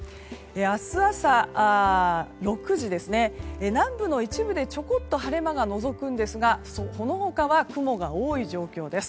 明日朝６時南部の一部でちょこっと晴れ間がのぞくんですがその他は雲が多い状況です。